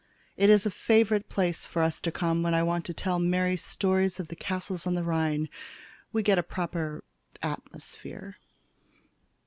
It is a favorite place for us to come when I want to tell Mary stories of the castles on the Rhine. We get a proper atmosphere.